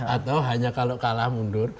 atau hanya kalau kalah mundur